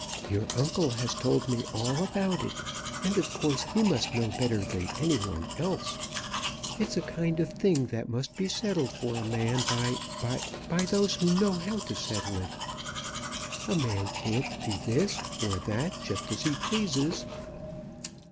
"Your uncle has told me all about it, and of course he must know better than any one else. It's a kind of thing that must be settled for a man by, by by those who know how to settle it. A man can't be this or that just as he pleases."